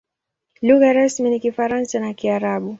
Lugha rasmi ni Kifaransa na Kiarabu.